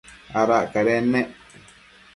Adac cadennec